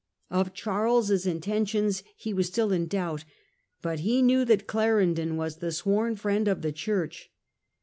Of Charles's intentions he was still in doubt ; but he knew that Clarendon was the sworn friend of the Church.